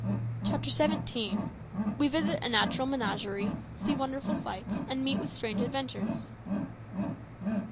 CHAPTER SEVENTEEN. WE VISIT A NATURAL MENAGERIE, SEE WONDERFUL SIGHTS, AND MEET WITH STRANGE ADVENTURES.